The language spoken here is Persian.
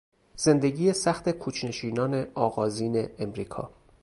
زندگی سخت کوچ نشینان آغازین امریکا